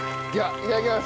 いただきます！